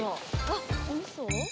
わっおみそ？